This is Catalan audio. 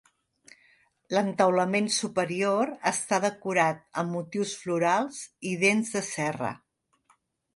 L'entaulament superior està decorat amb motius florals i dents de serra.